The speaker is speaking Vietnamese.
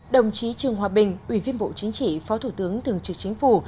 đồng chí trương hòa bình ủy viên bộ chính trị phó thủ tướng thường trực chính phủ